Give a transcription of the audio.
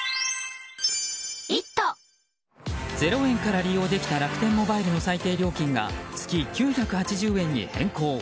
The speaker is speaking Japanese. ０円から利用できた楽天モバイルの最低料金が月９８０円に変更。